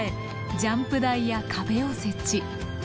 ジャンプ台や壁を設置。